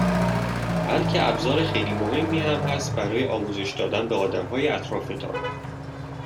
بلکه ابزار خیلی مهمی هم است برای آموزش دادن به آدمهای اطرافتان